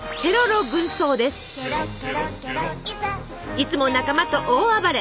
いつも仲間と大暴れ！